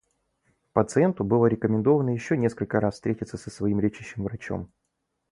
Пациенту было рекомендовано ещё несколько раз встретиться со своим лечащим врачом.